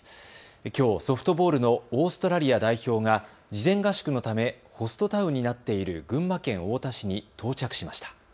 きょうソフトボールのオーストラリア代表が事前合宿のためホストタウンになっている群馬県太田市に到着しました。